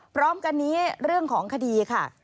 พร้อมกันนี้เรื่องของคดีค่ะ